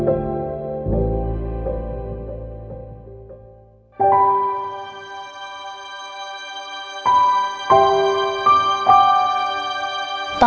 ดูแลเมื่อที่สุดให้เราก็เรารู้ว่าเป็นแม่หลอด